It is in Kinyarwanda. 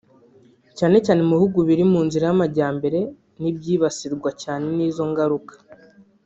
cyane cyane mu bihugu biri mu nzira y’amajyambere n’ibyabasirwa cyane n’izo ngaruka